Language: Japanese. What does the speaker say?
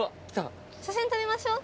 写真撮りましょ。